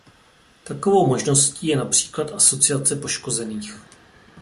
Takovou možností je například Asociace poškozených.